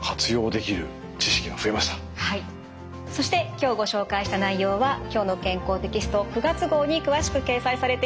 そして今日ご紹介した内容は「きょうの健康」テキスト９月号に詳しく掲載されています。